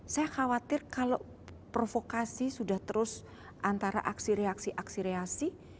saya khawatir kalau provokasi sudah terus antara aksi reaksi aksi reaksi